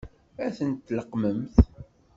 Ad tent-tleqqmemt?